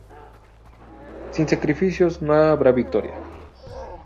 Sin sacrificios no habrá victoria".